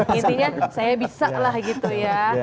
intinya saya bisa lah gitu ya